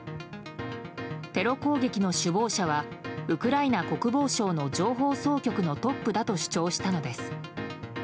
テロ攻撃の首謀者はウクライナ国防省の情報総局のトップだと主張したのです。